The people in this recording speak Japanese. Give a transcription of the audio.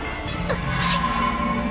うっはい。